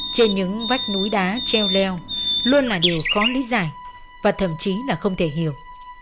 trên những vách núi đá treo leo luôn là điều khó lý giải và thậm chí là không thể hiểu